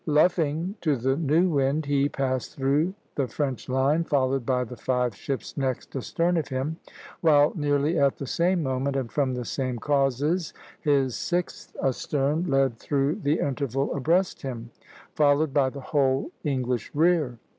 Luffing to the new wind, he passed through the French line, followed by the five ships next astern of him (C, a), while nearly at the same moment, and from the same causes, his sixth astern (C, b) led through the interval abreast him, followed by the whole English rear.